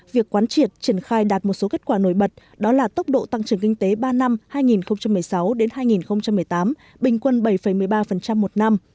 việc quán triệt triển khai đạt một số kết quả nổi bật đó là tốc độ tăng trưởng kinh tế ba năm hai nghìn một mươi sáu hai nghìn một mươi tám bình quân bảy một mươi ba một năm